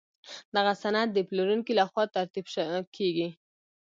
دغه سند د پلورونکي له خوا ترتیب کیږي.